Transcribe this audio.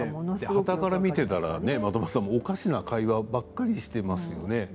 はたから見ていたらおかしな会話ばかりしていますよね。